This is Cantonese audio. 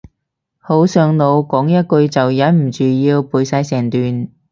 好上腦，講一句就忍唔住要背晒成段